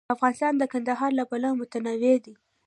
افغانستان د کندهار له پلوه متنوع دی.